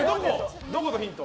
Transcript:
どこのヒント？